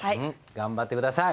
頑張って下さい。